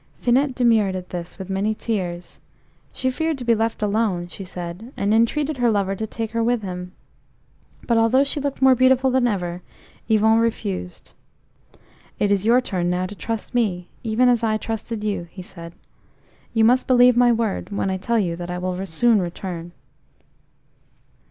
Finette demurred at this, with many tears. She feared to be left alone, she said, and entreated her lover to take her with him. But although she looked more beautiful than ever, Yvon refused. "It is your turn now to trust me, even as I trusted you," he said. "You must believe my word when I tell you that I will soon return."